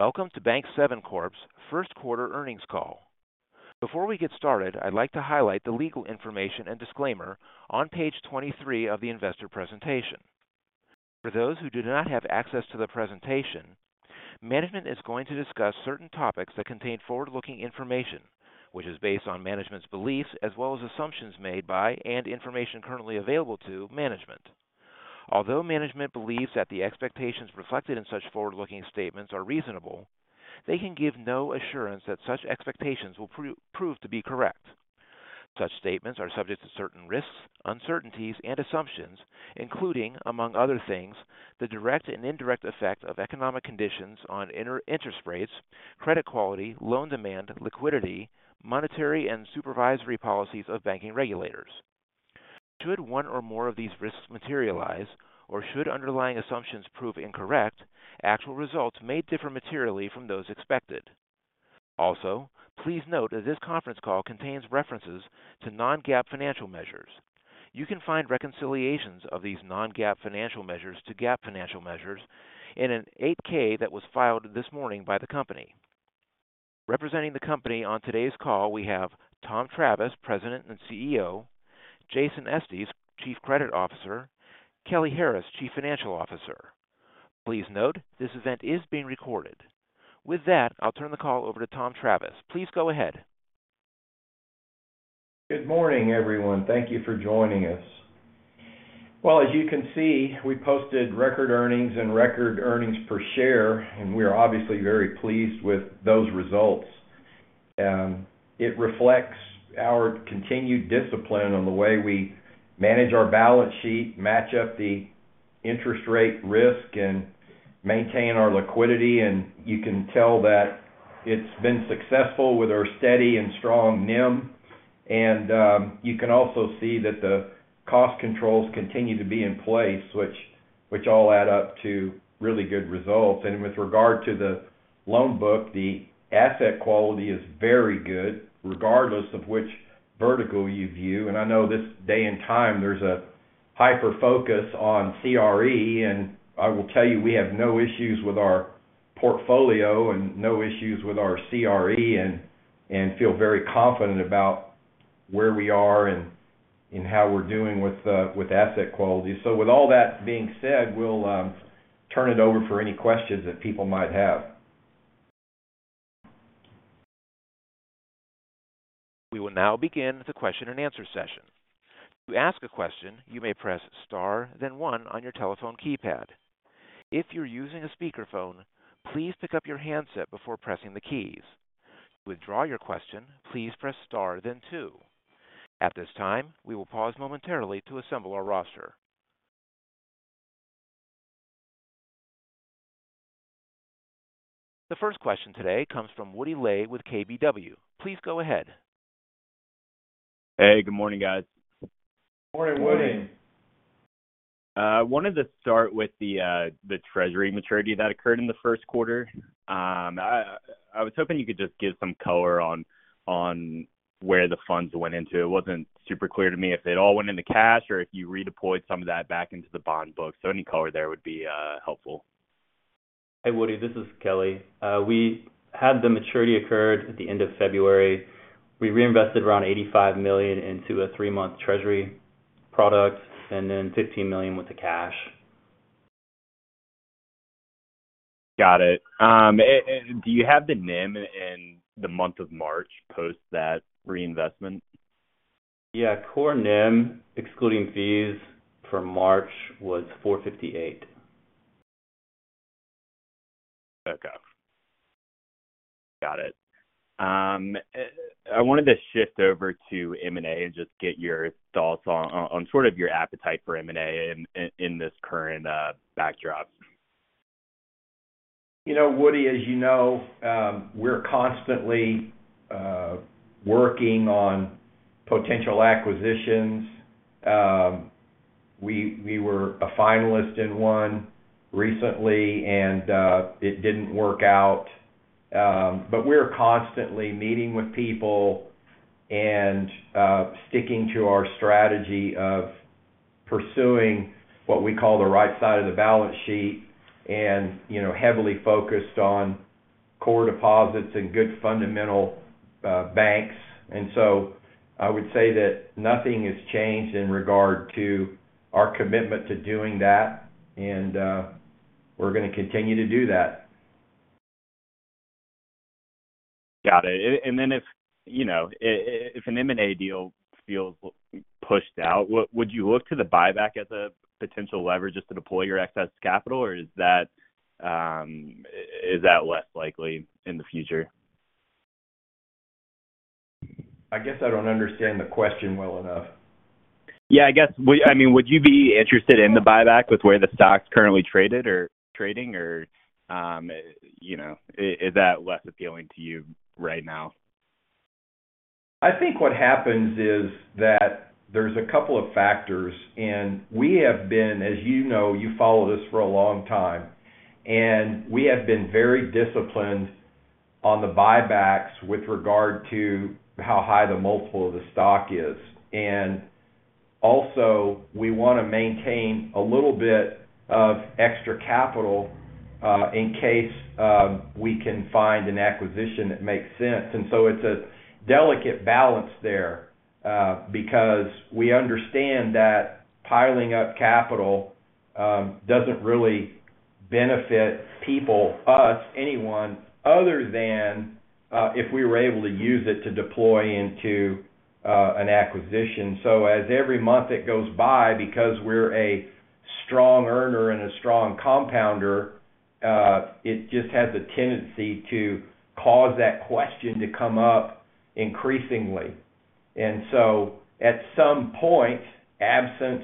Welcome to Bank7 Corp's First Quarter Earnings Call. Before we get started, I'd like to highlight the legal information and disclaimer on page 23 of the investor presentation. For those who do not have access to the presentation, management is going to discuss certain topics that contain forward-looking information, which is based on management's beliefs as well as assumptions made by and information currently available to management. Although management believes that the expectations reflected in such forward-looking statements are reasonable, they can give no assurance that such expectations will prove to be correct. Such statements are subject to certain risks, uncertainties, and assumptions, including, among other things, the direct and indirect effect of economic conditions on interest rates, credit quality, loan demand, liquidity, monetary and supervisory policies of banking regulators. Should one or more of these risks materialize, or should underlying assumptions prove incorrect, actual results may differ materially from those expected. Also, please note that this conference call contains references to non-GAAP financial measures. You can find reconciliations of these non-GAAP financial measures to GAAP financial measures in an 8-K that was filed this morning by the company. Representing the company on today's call we have Tom Travis, President and CEO, Jason Estes, Chief Credit Officer, Kelly Harris, Chief Financial Officer. Please note, this event is being recorded. With that, I'll turn the call over to Tom Travis. Please go ahead. Good morning, everyone. Thank you for joining us. Well, as you can see, we posted record earnings and record earnings per share, and we are obviously very pleased with those results. It reflects our continued discipline on the way we manage our balance sheet, match up the interest rate risk, and maintain our liquidity. You can tell that it's been successful with our steady and strong NIM. You can also see that the cost controls continue to be in place, which all add up to really good results. With regard to the loan book, the asset quality is very good, regardless of which vertical you view. I know this day and time there's a hyper-focus on CRE, and I will tell you we have no issues with our portfolio and no issues with our CRE and feel very confident about where we are and how we're doing with asset quality. With all that being said, we'll turn it over for any questions that people might have. We will now begin the question-and-answer session. To ask a question, you may press star then one on your telephone keypad. If you're using a speakerphone, please pick up your handset before pressing the keys. To withdraw your question, please press star then two. At this time, we will pause momentarily to assemble our roster. The first question today comes from Woody Lay with KBW. Please go ahead. Hey, good morning, guys. Morning, Woody. I wanted to start with the Treasury maturity that occurred in the first quarter. I was hoping you could just give some color on where the funds went into. It wasn't super clear to me if it all went into cash or if you redeployed some of that back into the bond book. So any color there would be helpful. Hey, Woody. This is Kelly. We had the maturity occur at the end of February. We reinvested around $85 million into a three-month Treasury product, and then $15 million went to cash. Got it. Do you have the NIM in the month of March post that reinvestment? Yeah. Core NIM, excluding fees, for March was 4.58%. Okay. Got it. I wanted to shift over to M&A and just get your thoughts on sort of your appetite for M&A in this current backdrop. Woody, as you know, we're constantly working on potential acquisitions. We were a finalist in one recently, and it didn't work out. But we're constantly meeting with people and sticking to our strategy of pursuing what we call the right side of the balance sheet and heavily focused on core deposits and good fundamental banks. And so I would say that nothing has changed in regard to our commitment to doing that, and we're going to continue to do that. Got it. And then if an M&A deal feels pushed out, would you look to the buyback as a potential leverage just to deploy your excess capital, or is that less likely in the future? I guess I don't understand the question well enough. Yeah, I guess. I mean, would you be interested in the buyback with where the stock's currently trading, or is that less appealing to you right now? I think what happens is that there's a couple of factors. We have been, as you know, you follow this for a long time, very disciplined on the buybacks with regard to how high the multiple of the stock is. Also, we want to maintain a little bit of extra capital in case we can find an acquisition that makes sense. So it's a delicate balance there because we understand that piling up capital doesn't really benefit people, us, anyone other than if we were able to use it to deploy into an acquisition. As every month that goes by, because we're a strong earner and a strong compounder, it just has a tendency to cause that question to come up increasingly. And so at some point, absent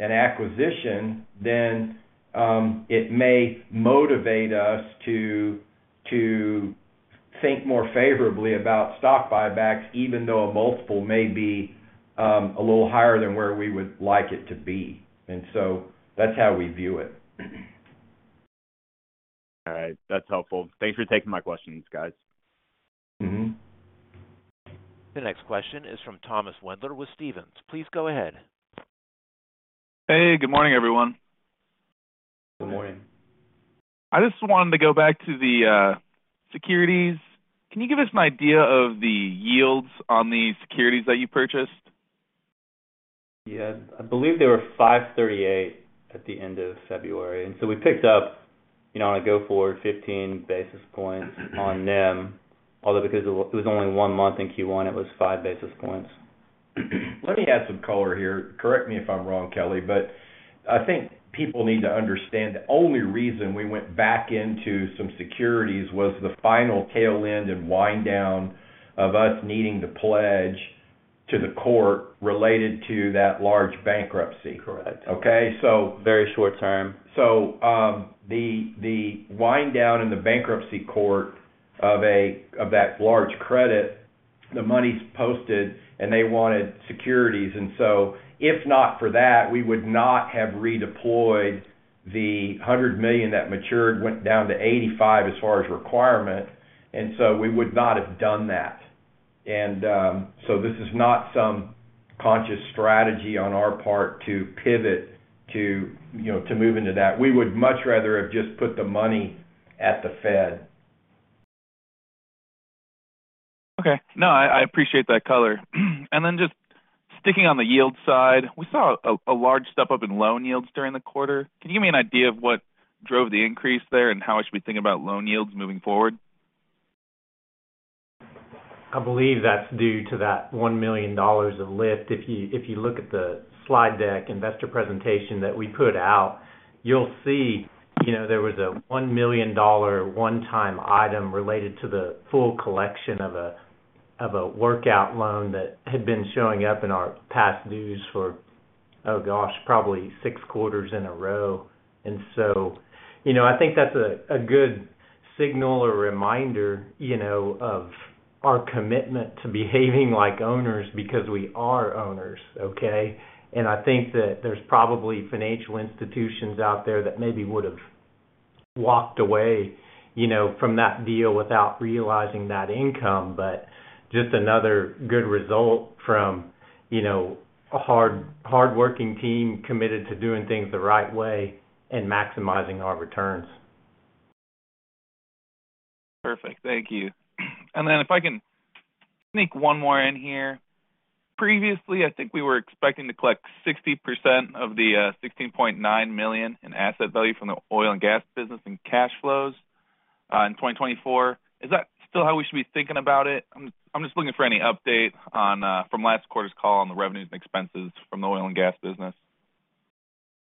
an acquisition, then it may motivate us to think more favorably about stock buybacks, even though a multiple may be a little higher than where we would like it to be. And so that's how we view it. All right. That's helpful. Thanks for taking my questions, guys. The next question is from Thomas Wendler with Stephens. Please go ahead. Hey, good morning, everyone. Good morning. I just wanted to go back to the securities. Can you give us an idea of the yields on the securities that you purchased? Yeah. I believe they were 5.38% at the end of February. And so we picked up, on a go-forward, 15 basis points on NIM. Although because it was only one month in Q1, it was 5 basis points. Let me add some color here. Correct me if I'm wrong, Kelly, but I think people need to understand the only reason we went back into some securities was the final tail end and wind down of us needing to pledge to the court related to that large bankruptcy. Okay? So. Very short term. So the wind down in the bankruptcy court of that large credit, the money's posted, and they wanted securities. And so if not for that, we would not have redeployed the $100 million that matured, went down to $85 million as far as requirement. And so we would not have done that. And so this is not some conscious strategy on our part to pivot to move into that. We would much rather have just put the money at the Fed. Okay. No, I appreciate that color. And then just sticking on the yield side, we saw a large step up in loan yields during the quarter. Can you give me an idea of what drove the increase there and how we should be thinking about loan yields moving forward? I believe that's due to that $1 million of lift. If you look at the slide deck, investor presentation that we put out, you'll see there was a $1 million one-time item related to the full collection of a workout loan that had been showing up in our past dues for, oh gosh, probably six quarters in a row. And so I think that's a good signal or reminder of our commitment to behaving like owners because we are owners. Okay? And I think that there's probably financial institutions out there that maybe would have walked away from that deal without realizing that income, but just another good result from a hardworking team committed to doing things the right way and maximizing our returns. Perfect. Thank you. And then if I can sneak one more in here. Previously, I think we were expecting to collect 60% of the $16.9 million in asset value from the Oil and Gas business in cash flows in 2024. Is that still how we should be thinking about it? I'm just looking for any update from last quarter's call on the revenues and expenses from the Oil and Gas business.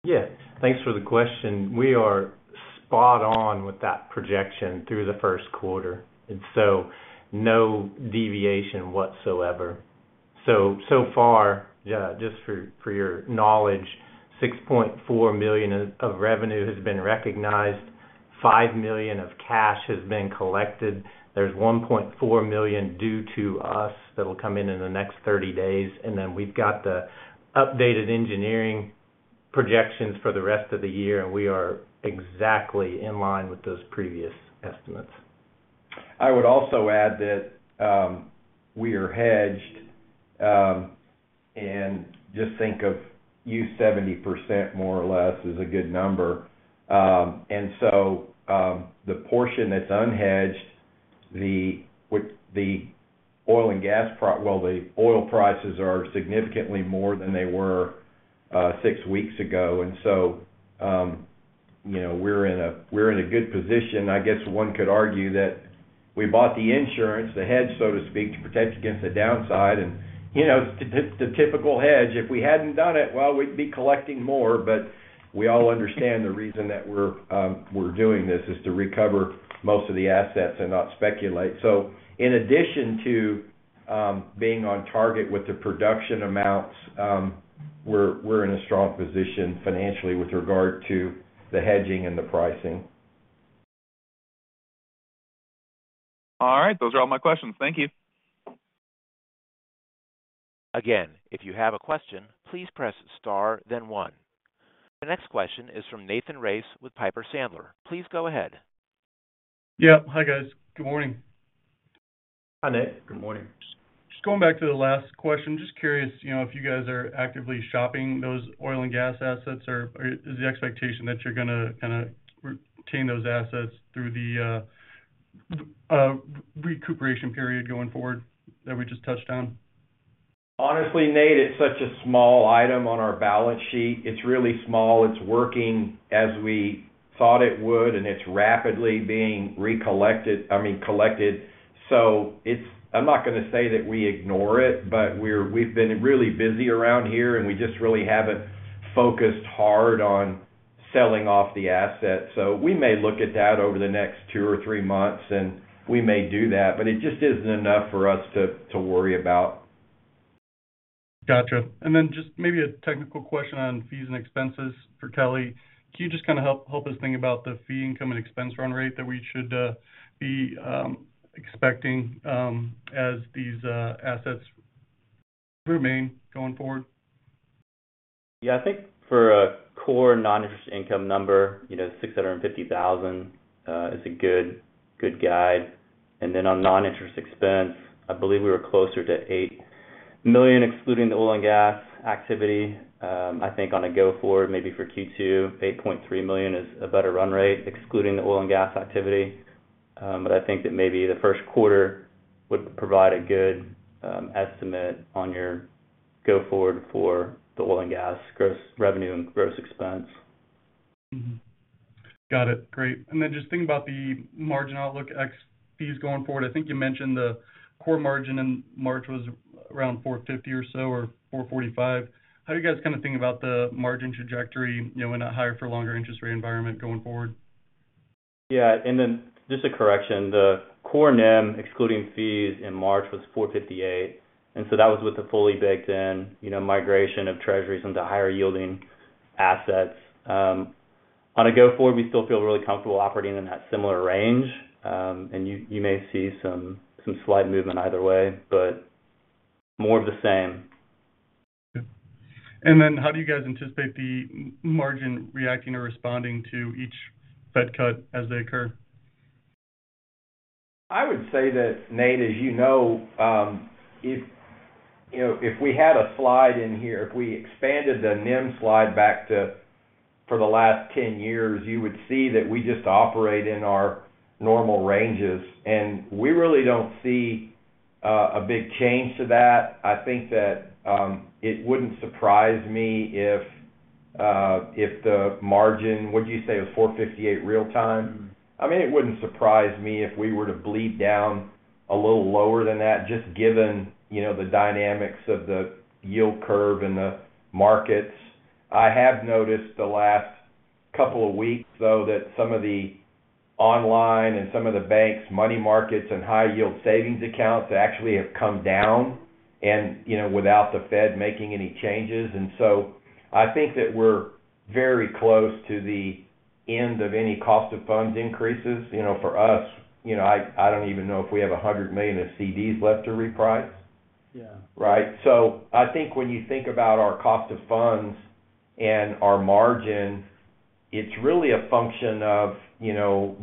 Yeah. Thanks for the question. We are spot on with that projection through the first quarter, and so no deviation whatsoever. So far, just for your knowledge, $6.4 million of revenue has been recognized, $5 million of cash has been collected, there's $1.4 million due to us that'll come in in the next 30 days, and then we've got the updated engineering projections for the rest of the year, and we are exactly in line with those previous estimates. I would also add that we are hedged, and just think of, use 70% more or less as a good number. And so the portion that's unhedged, the oil and gas well, the oil prices are significantly more than they were six weeks ago. And so we're in a good position. I guess one could argue that we bought the insurance, the hedge, so to speak, to protect against the downside. And the typical hedge, if we hadn't done it, well, we'd be collecting more. But we all understand the reason that we're doing this is to recover most of the assets and not speculate. So in addition to being on target with the production amounts, we're in a strong position financially with regard to the hedging and the pricing. All right. Those are all my questions. Thank you. Again, if you have a question, please press star then one. The next question is from Nathan Race with Piper Sandler. Please go ahead. Yep. Hi, guys. Good morning. Hi, Nate. Good morning. Just going back to the last question, just curious if you guys are actively shopping those Oil and Gas assets, or is the expectation that you're going to kind of retain those assets through the recuperation period going forward that we just touched on? Honestly, Nate, it's such a small item on our balance sheet. It's really small. It's working as we thought it would, and it's rapidly being recollected I mean, collected. So I'm not going to say that we ignore it, but we've been really busy around here, and we just really haven't focused hard on selling off the asset. So we may look at that over the next two or three months, and we may do that. But it just isn't enough for us to worry about. Gotcha. And then just maybe a technical question on fees and expenses for Kelly. Can you just kind of help us think about the fee income and expense run rate that we should be expecting as these assets remain going forward? Yeah. I think for a core non-interest income number, $650,000 is a good guide. And then on non-interest expense, I believe we were closer to $8 million excluding the Oil and Gas activity. I think on a go-forward, maybe for Q2, $8.3 million is a better run rate excluding the Oil and Gas activity. But I think that maybe the first quarter would provide a good estimate on your go-forward for the Oil and Gas revenue and gross expense. Got it. Great. And then just thinking about the margin outlook fees going forward, I think you mentioned the core margin in March was around 4.50% or so or 4.45%. How do you guys kind of think about the margin trajectory in a higher-for-longer interest rate environment going forward? Yeah. And then just a correction, the core NIM excluding fees in March was 4.58%. And so that was with the fully baked-in migration of Treasuries into higher-yielding assets. On a go-forward, we still feel really comfortable operating in that similar range. And you may see some slight movement either way, but more of the same. Okay. And then how do you guys anticipate the margin reacting or responding to each Fed cut as they occur? I would say that, Nate, as you know, if we had a slide in here, if we expanded the NIM slide back for the last 10 years, you would see that we just operate in our normal ranges. And we really don't see a big change to that. I think that it wouldn't surprise me if the margin would you say it was 4.58% real-time? I mean, it wouldn't surprise me if we were to bleed down a little lower than that, just given the dynamics of the yield curve and the markets. I have noticed the last couple of weeks, though, that some of the online and some of the banks, money markets, and high-yield savings accounts actually have come down without the Fed making any changes. And so I think that we're very close to the end of any cost of funds increases. For us, I don't even know if we have $100 million of CDs left to reprice. Right? So I think when you think about our cost of funds and our margin, it's really a function of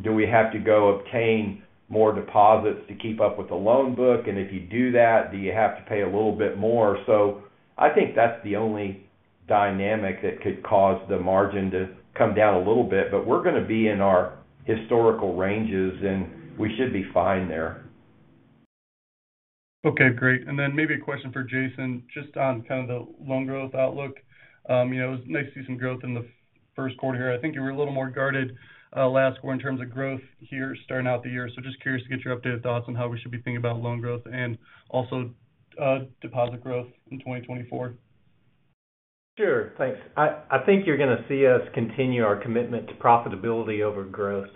do we have to go obtain more deposits to keep up with the loan book? And if you do that, do you have to pay a little bit more? So I think that's the only dynamic that could cause the margin to come down a little bit. But we're going to be in our historical ranges, and we should be fine there. Okay. Great. And then maybe a question for Jason just on kind of the loan growth outlook. It was nice to see some growth in the first quarter here. I think you were a little more guarded last quarter in terms of growth here starting out the year. So just curious to get your updated thoughts on how we should be thinking about loan growth and also deposit growth in 2024. Sure. Thanks. I think you're going to see us continue our commitment to profitability over growth.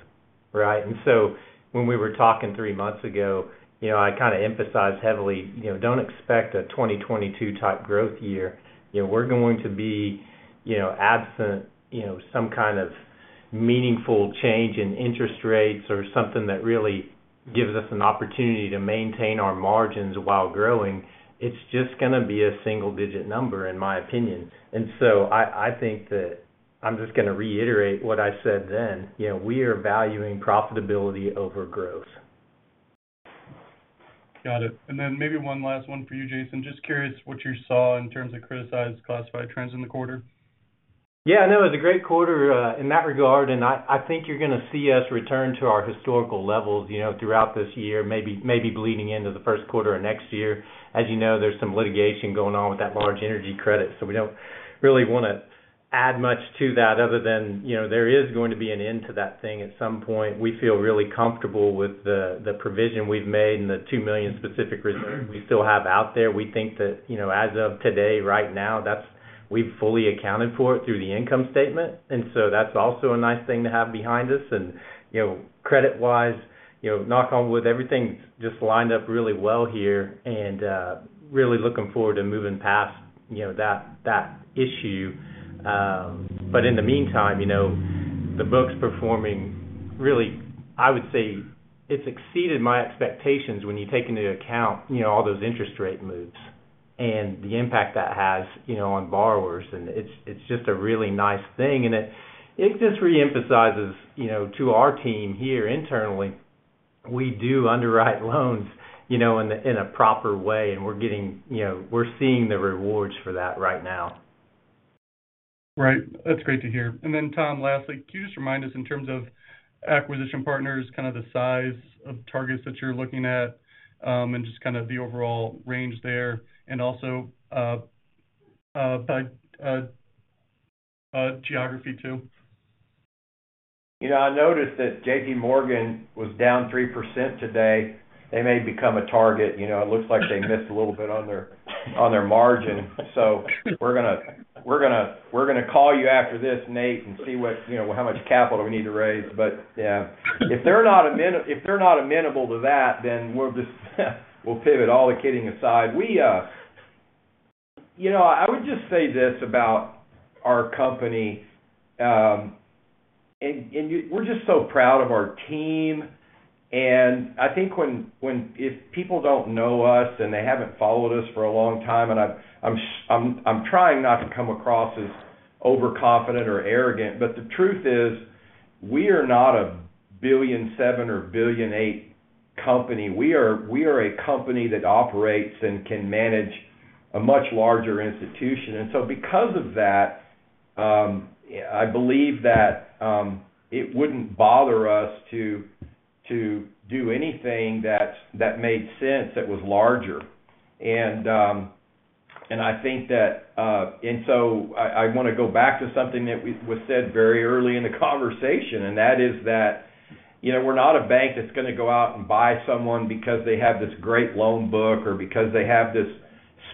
Right? And so when we were talking three months ago, I kind of emphasized heavily, "Don't expect a 2022-type growth year." We're going to be absent some kind of meaningful change in interest rates or something that really gives us an opportunity to maintain our margins while growing. It's just going to be a single-digit number, in my opinion. And so I think that I'm just going to reiterate what I said then. We are valuing profitability over growth. Got it. And then maybe one last one for you, Jason. Just curious what you saw in terms of criticized classified trends in the quarter. Yeah. No, it was a great quarter in that regard. And I think you're going to see us return to our historical levels throughout this year, maybe bleeding into the first quarter of next year. As you know, there's some litigation going on with that large energy credit. So we don't really want to add much to that other than there is going to be an end to that thing at some point. We feel really comfortable with the provision we've made and the $2 million specific reserve we still have out there. We think that as of today, right now, we've fully accounted for it through the income statement. And so that's also a nice thing to have behind us. And credit-wise, knock on wood, everything's just lined up really well here. And really looking forward to moving past that issue. But in the meantime, the book's performing really, I would say, it's exceeded my expectations when you take into account all those interest rate moves and the impact that has on borrowers. And it's just a really nice thing. And it just reemphasizes to our team here internally, we do underwrite loans in a proper way, and we're seeing the rewards for that right now. Right. That's great to hear. And then, Tom, lastly, can you just remind us in terms of acquisition partners, kind of the size of targets that you're looking at and just kind of the overall range there and also by geography too? I noticed that JPMorgan was down 3% today. They may become a target. It looks like they missed a little bit on their margin. So we're going to call you after this, Nate, and see how much capital we need to raise. But yeah, if they're not amenable to that, then we'll pivot. All the kidding aside. I would just say this about our company, and we're just so proud of our team. And I think if people don't know us and they haven't followed us for a long time. I'm trying not to come across as overconfident or arrogant, but the truth is we are not a $1.7 billion or $1.8 billion company. We are a company that operates and can manage a much larger institution. And so because of that, I believe that it wouldn't bother us to do anything that made sense that was larger. And I think that and so I want to go back to something that was said very early in the conversation, and that is that we're not a bank that's going to go out and buy someone because they have this great loan book or because they have this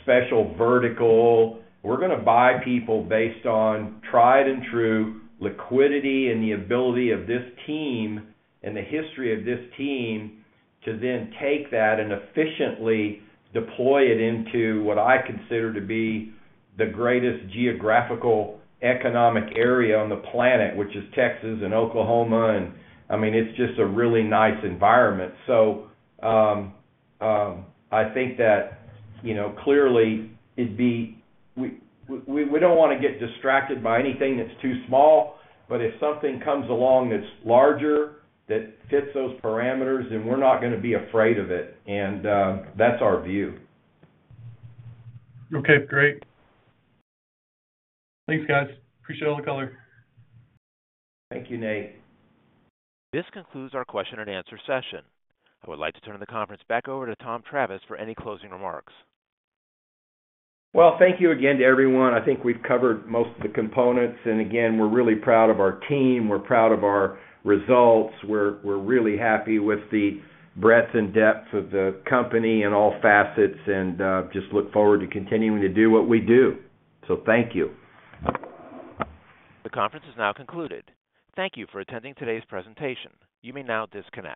special vertical. We're going to buy people based on tried and true liquidity and the ability of this team and the history of this team to then take that and efficiently deploy it into what I consider to be the greatest geographical economic area on the planet, which is Texas and Oklahoma. And I mean, it's just a really nice environment. So I think that clearly, it'd be we don't want to get distracted by anything that's too small. But if something comes along that's larger that fits those parameters, then we're not going to be afraid of it. That's our view. Okay. Great. Thanks, guys. Appreciate all the color. Thank you, Nate. This concludes our question-and-answer session. I would like to turn the conference back over to Tom Travis for any closing remarks. Well, thank you again to everyone. I think we've covered most of the components. Again, we're really proud of our team. We're proud of our results. We're really happy with the breadth and depth of the company in all facets and just look forward to continuing to do what we do. Thank you. The conference is now concluded. Thank you for attending today's presentation. You may now disconnect.